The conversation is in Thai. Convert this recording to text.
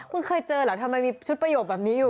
คุณเคยเจอเหรอทำไมมีชุดประโยคแบบนี้อยู่